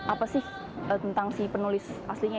apa sih tentang si penulis aslinya